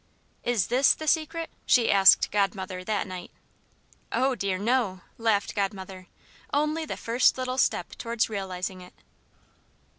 "Is this the Secret?" she asked Godmother, that night. "Oh, dear, no!" laughed Godmother, "only the first little step towards realizing it."